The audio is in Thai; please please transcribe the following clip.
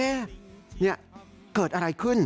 เนี่ยหลายคนดูคลิปนี้แล้วสงสัยนะครับว่าเนี่ยเกิดอะไรขึ้น